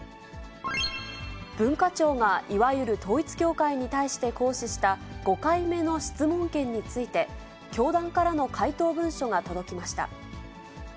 文化庁がいわゆる統一教会に対して行使した５回目の質問権について、教団からの回答文書が届きました。